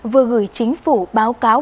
vừa gửi chính phủ báo cáo